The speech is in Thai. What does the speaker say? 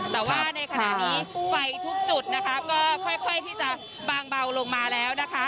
แต่ว่าในขณะนี้ไฟทุกจุดนะคะก็ค่อยที่จะบางเบาลงมาแล้วนะคะ